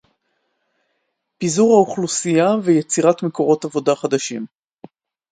פיזור האוכלוסייה ויצירת מקורות עבודה חדשים